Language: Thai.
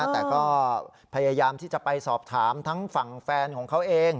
แต่ก็พยายามที่จะไปสอบถามทั้งฝั่งแฟนของเขาเอง